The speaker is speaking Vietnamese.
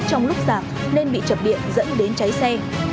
trong lúc giạc nên bị chập điện dẫn đến cháy xe